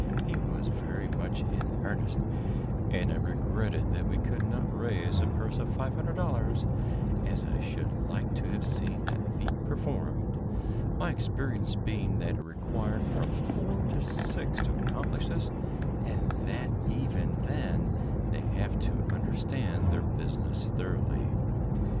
He was very much in earnest, and I regretted that we could not raise a purse of $500, as I should like to have seen the feat performed my experience being that it required from four to six to accomplish this, and that even then they have to understand their business thoroughly.